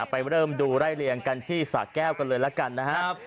ไปเริ่มดูไล่เลี่ยงกันที่สะแก้วกันเลยละกันนะครับ